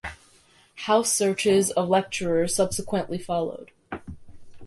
House searches of lecturers subsequently followed.